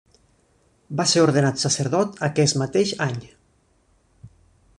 Va ser ordenat sacerdot aquest mateix any.